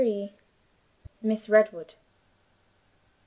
MISS REDWOOD.